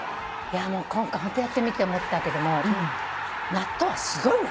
今回ホントやってみて思ったけども納豆はすごいな。